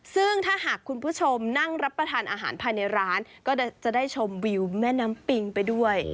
ซึ่งถ้าหากคุณผู้ชมนั่งรับประทานอาหารภายในร้านก็จะได้ชมวิวแม่น้ำปิงไปด้วย